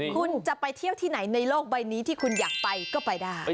คุณจะไปเที่ยวที่ไหนในโลกใบนี้ที่คุณอยากไปก็ไปได้